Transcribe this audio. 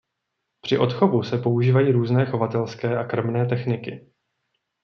Při odchovu se používají různé chovatelské a krmné techniky.